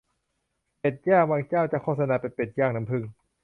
เป็ดย่าง บางเจ้าจะโฆษณาเป็นเป็ดย่างน้ำผึ้ง